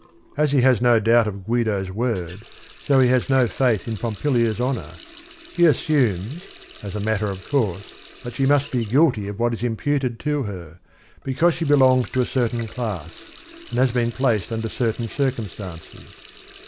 As he has no doubt of Guido's word, so he has no faith in Pompilia's honor. He assumes, as a matter of course, that she must be guilty of what is imputed to her, because she belongs to a certain class and has been placed under certain circum stances.